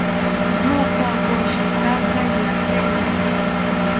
Nokawoshitaka ñaateni